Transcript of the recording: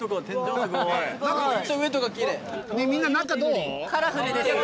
みんな中どう？